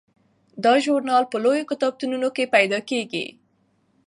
دا ژورنال په لویو کتابتونونو کې پیدا کیږي.